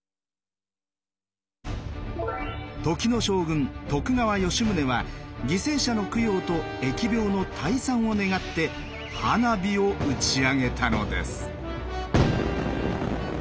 時の将軍徳川吉宗は犠牲者の供養と疫病の退散を願って花火を打ち上げたのです。